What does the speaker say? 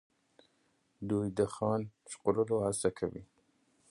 دوی د ځان ژغورلو هڅه کوي.